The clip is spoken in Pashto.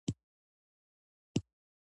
باز له اسمانه ښکار ویني.